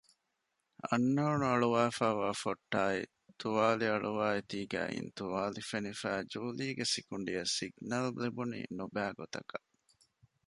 އަންނައުނު އަޅާފައިވާ ފޮއްޓާއި ތުވާލި އަޅުވާ އެތީގައި އިން ތުވާލި ފެނިފައި ޖޫލީގެ ސިކުނޑިއަށް ސިގްނަލް ލިބުނީ ނުބައިގޮތަކަށް